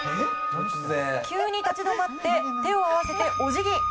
急に立ち止まって手を合わせお辞儀。